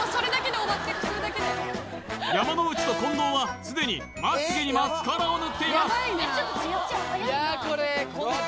山之内と近藤はすでにまつげにマスカラを塗っています